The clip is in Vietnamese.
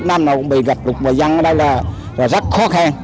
nam nào cũng bị ngập lụt và dân ở đây là rất khó khăn